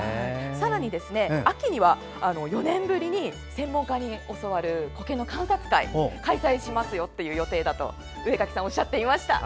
さらに、秋には４年ぶりに専門家に教わるコケの観察会が開催しますという予定だと上垣さんはおっしゃっていました。